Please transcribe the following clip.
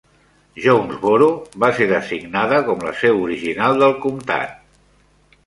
Jonesboro va ser designada com la seu original del comtat.